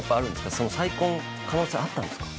再婚の可能性あったんですか？